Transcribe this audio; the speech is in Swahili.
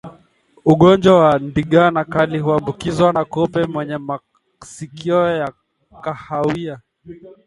Ugonjwa wa ndigana kali huambukizwa na kupe mwenye masikio ya kahawia